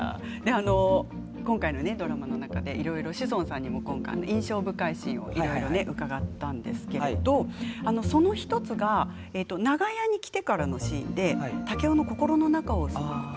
あの今回のねドラマの中でいろいろ志尊さんにも今回印象深いシーンをいろいろね伺ったんですけれどその一つが長屋に来てからのシーンで竹雄の心の中をすごくこう表したシーン。